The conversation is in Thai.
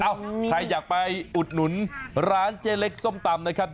ใครอยากไปอุดหนุนร้านเจ๊เล็กส้มตำนะครับ